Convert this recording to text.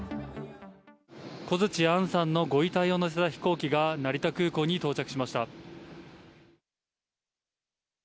小槌杏さんのご遺体を乗せた飛行機が成田空港に到着しました。